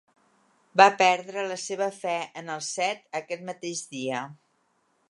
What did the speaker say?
Va perdre la seva fe en els Set aquest mateix dia.